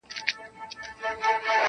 یا فرنګ ته یا پنجاب په ښکنځلو-